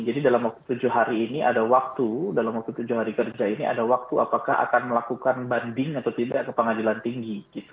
jadi dalam waktu tujuh hari ini ada waktu dalam waktu tujuh hari kerja ini ada waktu apakah akan melakukan banding atau tidak ke pengadilan tinggi